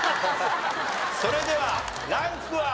それではランクは？